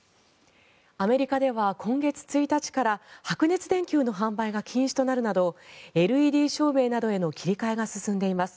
アメリカでは今月１日から白熱電球の販売が禁止となるなどＬＥＤ照明などへの切り替えが進んでいます。